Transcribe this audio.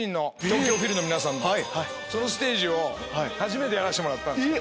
東京フィルの皆さんとソロステージを初めてやらせてもらったんです。